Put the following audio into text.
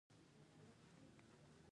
زه د خپلو خوبو له پاره زحمت کاږم.